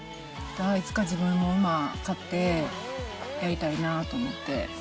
いつか自分も馬買って、やりたいなと思って。